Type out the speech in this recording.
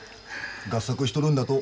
合作しとるんだと。